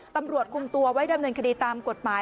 ตำรวจคุมตัวไว้ดำเนินคดีตามกฎหมาย